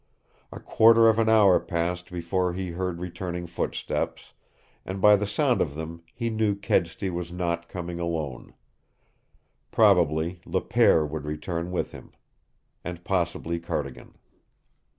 A quarter of an hour passed before he heard returning footsteps, and by the sound of them he knew Kedsty was not coming alone. Probably le pere would return with him. And possibly Cardigan.